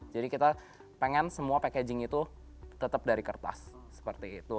jadi kita pengen semua packaging itu tetap dari kertas seperti itu